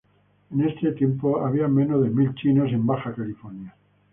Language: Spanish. En ese tiempo, habían menos de mil chinos en Baja California.